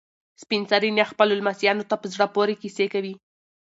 سپین سرې نیا خپلو لمسیانو ته په زړه پورې کیسې کوي.